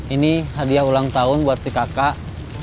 ini hadiah ulang tahun buat si kakak